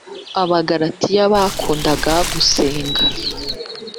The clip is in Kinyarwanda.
Abagalatiya bakundaga gusenga.